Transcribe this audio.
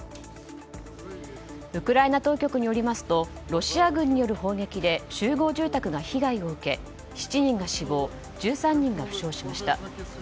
ウクライナ当局によりますとロシア軍による砲撃で集合住宅が被害を受け７人が死亡しました。